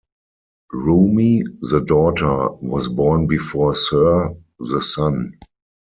Rumi, the daughter, was born before Sir, the son.